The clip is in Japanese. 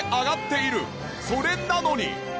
それなのに。